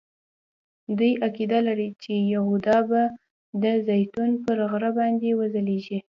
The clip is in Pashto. دوی عقیده لري چې یهودا به د زیتون پر غره باندې وځلیږي.